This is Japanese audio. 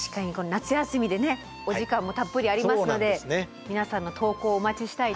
夏休みでねお時間もたっぷりありますので皆さんの投稿をお待ちしたいですね。